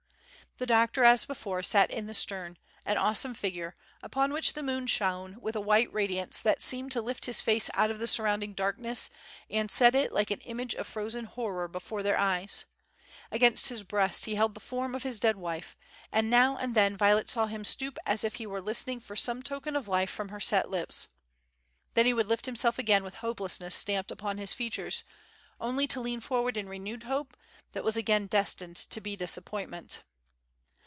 The doctor, as before, sat in the stern, an awesome figure, upon which the moon shone with a white radiance that seemed to lift his face out of the surrounding darkness and set it like an image of frozen horror before their eyes. Against his breast he held the form of his dead wife, and now and then Violet saw him stoop as if he were listening for some token of life from her set lips. Then he would lift himself again with hopelessness stamped upon his features, only to lean forward in renewed hope that was again destined to disappointment.